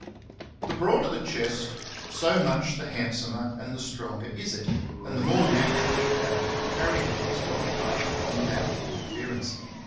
The broader the chest so much the hand somer and the stronger is it, and the more naturally adapted to carry the legs well apart and without interference.